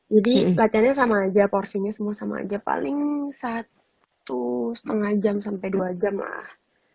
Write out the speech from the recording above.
jadi latihannya sama aja porsinya semua sama aja paling satu setengah jam sampai dua jam lah